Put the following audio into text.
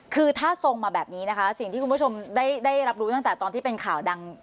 คือถ้าทรงมาแบบนี้นะคะสิ่งที่คุณผู้ชมได้รับรู้ตั้งแต่ตอนที่เป็นข่าวดัง